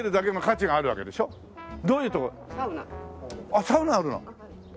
あっサウナあるの？